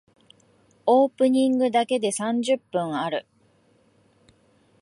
オープニングだけで三十分ある。